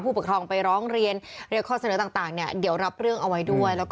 ปกครองไปร้องเรียนเรียกข้อเสนอต่างเนี่ยเดี๋ยวรับเรื่องเอาไว้ด้วยแล้วก็